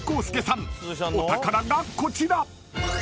［お宝がこちら］